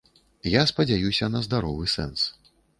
Я спадзяюся на здаровы сэнс.